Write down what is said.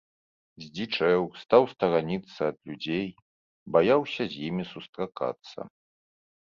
Здзічэў, стаў стараніцца ад людзей, баяўся з імі сустракацца.